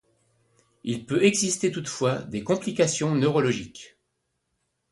Il peut exister toutefois des complications neurologiques.